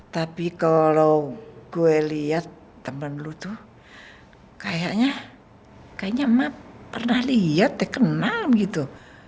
tapi kalo gue liat temen lo tuh kayaknya emak pernah liat ya kenal gitu